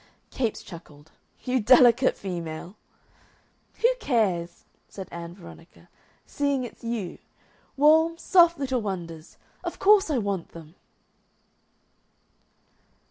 Capes chuckled. "You delicate female!" "Who cares," said Ann Veronica, "seeing it's you? Warm, soft little wonders! Of course I want them."